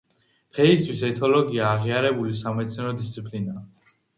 დღეისთვის ეთოლოგია აღიარებული სამეცნიერო დისციპლინაა.